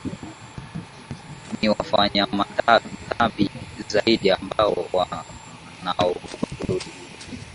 ni wafanya madhabi zaidi ambao wanaogopa kurudi